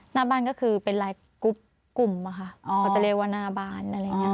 หน้าบ้านก็คือเป็นลายกรุ๊ปกลุ่มอะค่ะเขาจะเรียกว่าหน้าบ้านอะไรอย่างนี้